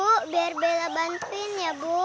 bu biar bella bantuin ya bu